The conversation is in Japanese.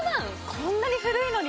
こんなに古いのに？